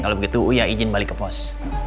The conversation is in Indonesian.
kalau begitu uya izin balik ke pos